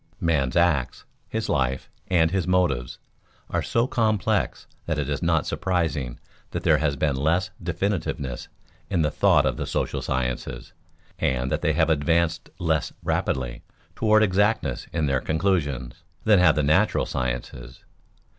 Man's acts, his life, and his motives are so complex that it is not surprising that there has been less definiteness in the thought of the social sciences, and that they have advanced less rapidly toward exactness in their conclusions, than have the natural sciences.